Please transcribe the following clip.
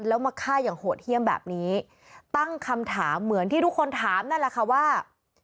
แล้วมาฆ่าอย่างโหดเยี่ยมแบบนี้ตั้งคำถามเหมือนที่ทุกคนถามนั่นแหละค่ะว่า